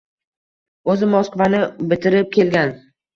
— O’zi Moskvani bitirib kelgan.